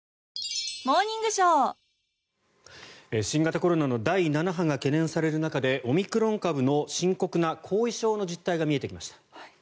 新型コロナの第７波が懸念される中でオミクロン株の深刻な後遺症の実態が見えてきました。